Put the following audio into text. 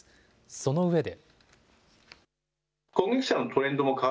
その上で。